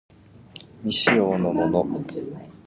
未使用のもの